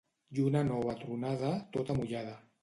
Lluna nova tronada, tota mullada.